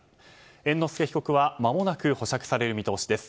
猿之助被告はまもなく保釈される見通しです。